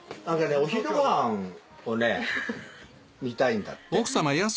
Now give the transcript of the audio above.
お昼ご飯をね見たいんだって。